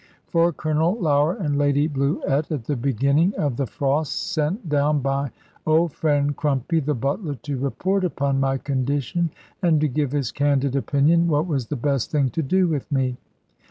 For Colonel Lougher and Lady Bluett, at the very beginning of the frost, sent down my old friend, Crumpy the butler, to report upon my condition, and to give his candid opinion what was the best thing to do with me.